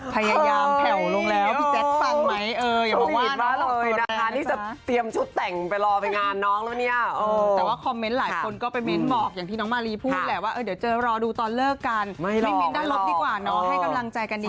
พยายามแผ่วลงแล้วพี่เจ๊ฟังไหมเอออย่าบอกว่า